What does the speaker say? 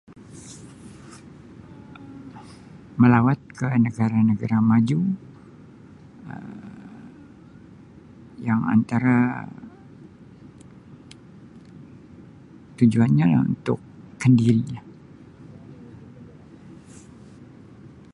Melawat ke negara-negara maju Um yang antara tujuan nya untuk kendiri nya.